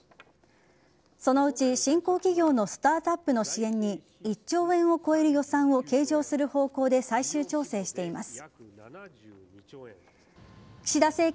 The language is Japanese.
そのうち、新興企業のスタートアップの支援に１兆円を超える予算を計上する方向で最終調整しています。